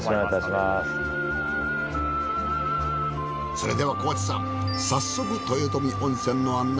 それでは河内さん早速豊富温泉の案内